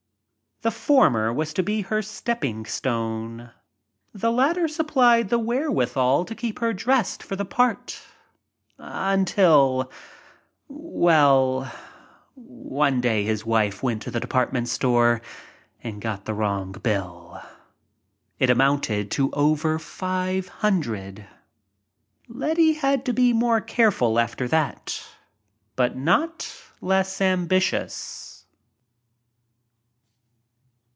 The former was to be her stepping stone. The latter supplied the wherewithal to keep her dressed for the part until— well, one day his wife went to a department store and got the wrong bill — it amounted to over Five hundred. Letty had to be more careful after that — but not less ambitious.